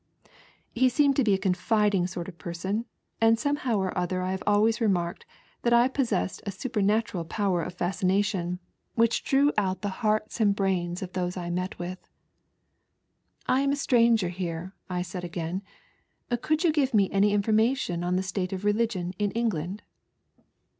He seemed to be a confiding sort of person, and somehow or other I have always remarked that I possessed a supernatural power of fascination^ 8 ONLT A GHOST. which drew out the hearts aad braina of those I met with. " I am a stranger here," I again said ;" could you give me any information on the state of religion in England